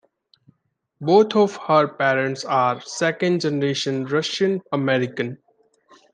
Both of her parents are second-generation Russian American.